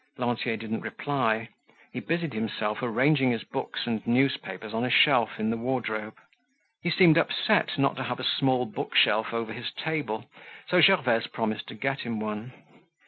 Lantier didn't reply. He busied himself arranging his books and newspapers on a shelf in the wardrobe. He seemed upset not to have a small bookshelf over his table, so Gervaise promised to get him one.